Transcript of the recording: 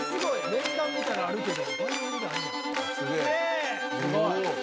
連弾みたいのあるけど。